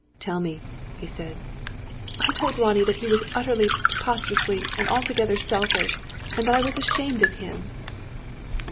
"Tell me," he said. "I told Ronnie that he was utterly, preposterously, and altogether selfish, and that I was ashamed of him."